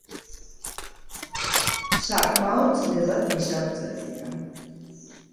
საკმაოდ ძნელად მისაღწევია.